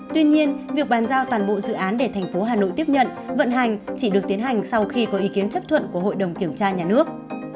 tuy nhiên việc bàn giao toàn bộ dự án để thành phố hà nội tiếp nhận vận hành chỉ được tiến hành sau khi có ý kiến chấp thuận của hội đồng kiểm tra nhà nước